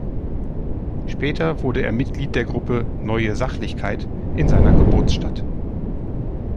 Später wurde er Mitglied der Gruppe "Neue Sachlichkeit" in seiner Geburtsstadt.